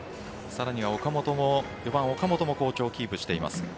更には４番、岡本も好調をキープしています。